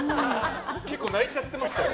結構泣いちゃってましたよね。